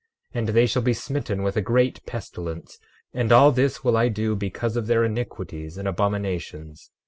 12:7 And they shall be smitten with a great pestilence—and all this will I do because of their iniquities and abominations.